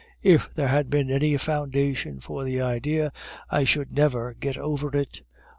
If there had been any foundation for the idea, I should never get over it.